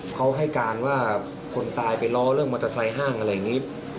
เขาให้การว่าคนตายไปล้อเรื่องมอเตอร์ไซค์ห้างอะไรอย่างนี้